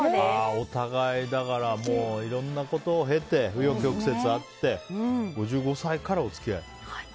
お互い、いろんなことを経て紆余曲折あって５５歳からお付き合い。